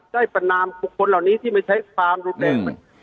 ประนามบุคคลเหล่านี้ที่ไม่ใช้ความรุนแรง